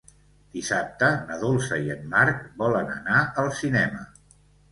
Dissabte na Dolça i en Marc volen anar al cinema.